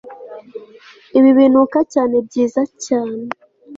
Ibi binuka cyane byiza cyane